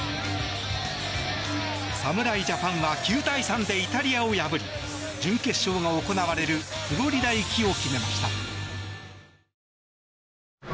侍ジャパンは９対３でイタリアを破り準決勝が行われるフロリダ行きを決めました。